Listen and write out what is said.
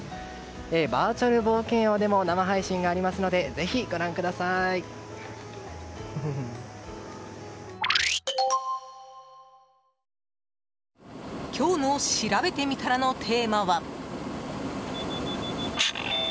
バーチャル冒険王でも生配信がありますので今日のしらべてみたらのテーマは。